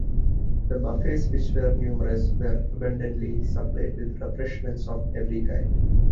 The buffets, which were numerous, were abundantly supplied with refreshments of every kind.